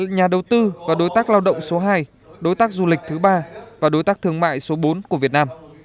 nhà đầu tư và đối tác lao động số hai đối tác du lịch thứ ba và đối tác thương mại số bốn của việt nam